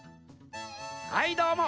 はいどうも。